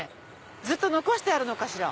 ずっと残してあるのかしら。